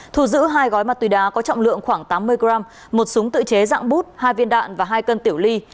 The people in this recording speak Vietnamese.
thu giữ hai gói ma túy đá có trọng lượng khoảng tám mươi g một súng tự chế dạng bút hai viên đạn và hai cân tiểu ly